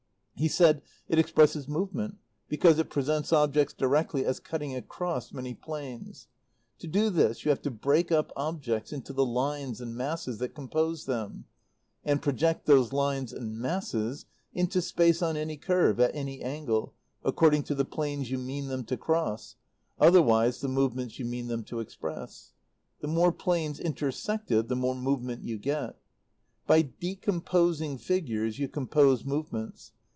He said, "It expresses movement, because it presents objects directly as cutting across many planes. To do this you have to break up objects into the lines and masses that compose them, and project those lines and masses into space on any curve, at any angle, according to the planes you mean them to cross, otherwise the movements you mean them to express. The more planes intersected the more movement you get. By decomposing figures you compose movements.